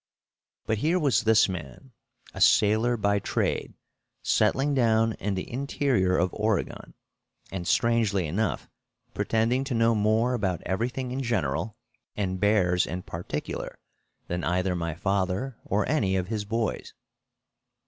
But here was this man, a sailor by trade, settling down in the interior of Oregon, and, strangely enough, pretending to know more about everything in general and bears in particular than either my father or any of his boys!